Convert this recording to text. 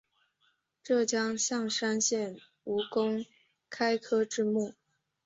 浙江象山县吴公开科之墓